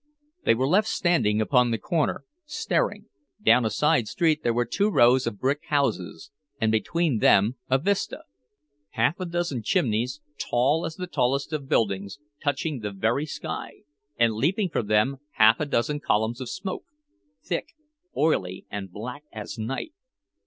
They were left standing upon the corner, staring; down a side street there were two rows of brick houses, and between them a vista: half a dozen chimneys, tall as the tallest of buildings, touching the very sky—and leaping from them half a dozen columns of smoke, thick, oily, and black as night.